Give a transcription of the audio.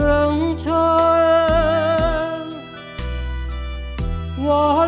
เพลงพร้อมร้องได้ให้ล้าน